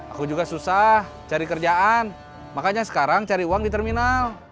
aku juga susah cari kerjaan makanya sekarang cari uang di terminal